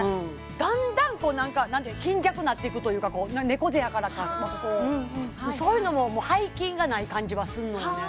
だんだんなんか貧弱なっていくというか猫背やからかこうそういうのももう背筋がない感じはすんのよね